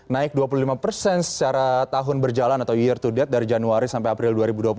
naik dua puluh lima persen secara tahun berjalan atau year to date dari januari sampai april dua ribu dua puluh satu